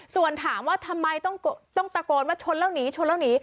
ส่วนถามว่าทำไมต้องตะโกนว่าชนแล้วหนีชนแล้วหนี